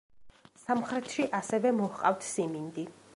სამხრეთში ასევე მოჰყავთ სიმინდი.